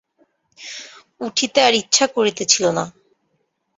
উঠিতে আর ইচ্ছা করিতেছিল না।